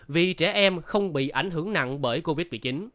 vì trẻ em không bị ảnh hưởng nặng bởi covid một mươi chín